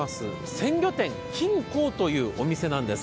鮮魚店近幸というお店なんてす。